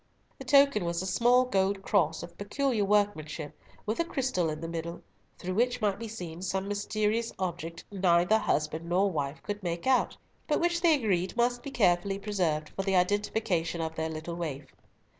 The token was a small gold cross, of peculiar workmanship, with a crystal in the middle, through which might be seen some mysterious object neither husband nor wife could make out, but which they agreed must be carefully preserved for the identification of their little waif.